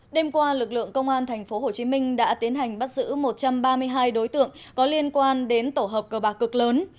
đêm qua lực lượng công an tp hcm đã tiến hành bắt giữ một trăm ba mươi hai đối tượng có liên quan đến tổ hợp cờ bạc cực lớn